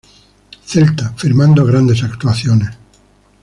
Celta, firmando grandes actuaciones.